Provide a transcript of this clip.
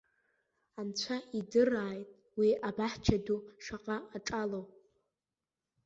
Анцәа идырааит уи абаҳча ду шаҟа аҿало!